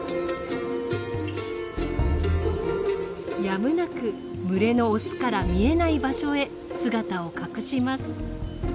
やむなく群れのオスから見えない場所へ姿を隠します。